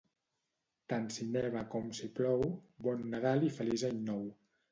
Tant si neva com si plou Bon Nadal i Feliç Any Nou